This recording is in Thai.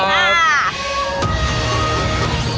ไปค่ะ